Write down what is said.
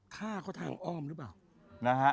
ฆ่าเขาทางอ้อมหรือเปล่านะฮะ